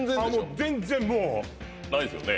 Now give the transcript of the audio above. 全然もうないですよね？